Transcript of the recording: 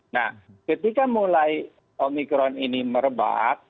nah ketika mulai omikron ini merebak